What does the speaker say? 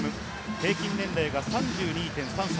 平均年齢が３２．３歳。